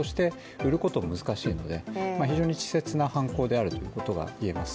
売ることは難しいので非常に稚拙な犯行であるということが言えます